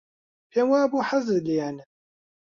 پێم وابوو حەزت لێیانە.